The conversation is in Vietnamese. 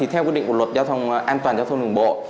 theo quyết định của luật an toàn giao thông đường bộ